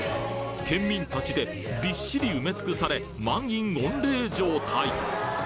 県民たちでビッシリ埋め尽くされ満員御礼状態